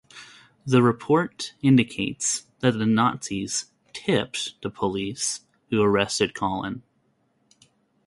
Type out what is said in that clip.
The report indicates that the Nazis "tipped" the police who arrested Collin.